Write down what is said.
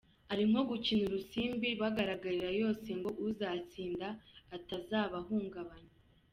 Ari nko gukina urusimbi babagarira yose ngo uzatsinda atazabahungabanya.